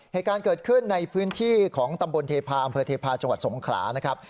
เหตุการณ์เกิดขึ้นในพื้นที่ของตำบลเทพาอำเภอเทพาะจังหวัดสงขลานะครับ